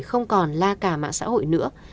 không còn la cả mạng xã hội nữa